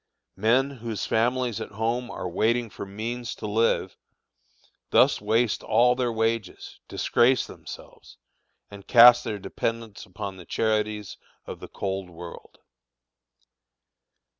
Men whose families at home are waiting for means to live, thus waste all their wages, disgrace themselves, and cast their dependents upon the charities of the cold world.